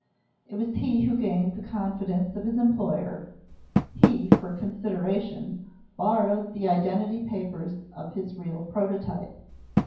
It was he who gained the confidence of his employer; he, for a consideration, borrowed the identity papers of his real prototype.